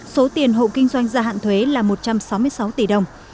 số tiền hộ kinh doanh gia hạn thuế là một trăm sáu mươi sáu tỷ đồng